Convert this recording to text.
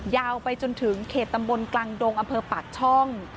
ยาวไปจนถึงเขตตำบลกลางดงอำเภอปากช่อง